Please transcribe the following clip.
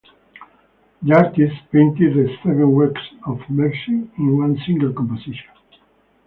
The artist painted the "Seven Works of Mercy" in one single composition.